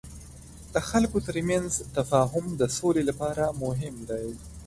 د خلکو ترمنځ تفاهم د سولې لپاره مهم دی.